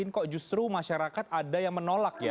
kok justru masyarakat ada yang menolak ya